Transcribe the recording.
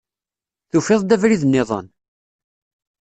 Tufiḍ-d abrid-nniḍen?